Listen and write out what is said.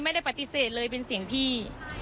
ไม่ได้ปฏิเสธเลยเป็นเสียงพี่